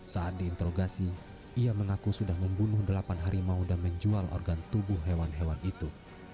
saat diinterogasi ia mengaku sudah membunuh delapan harimau dan menjual organ tubuh hewan hewan itu